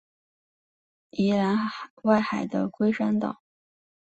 宜兰外海的龟山岛